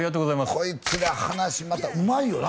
こいつら話またうまいよな？